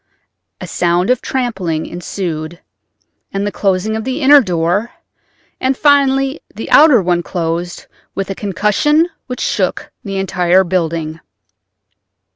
A sound of trampling ensued, then the closing of the inner door; and finally the outer one closed with a concussion which shook the entire building.